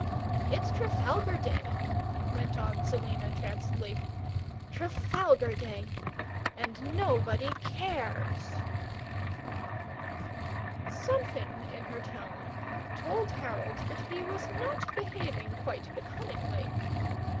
"It's Trafalgar Day," went on Selina, trancedly; "Trafalgar Day and nobody cares!" Something in her tone told Harold that he was not behaving quite becomingly.